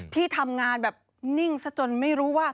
ที่ทำงานแบบนิ่งซะจนไม่รู้ว่า